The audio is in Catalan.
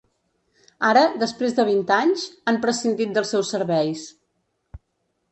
Ara, després de vint anys, han prescindit dels seus serveis.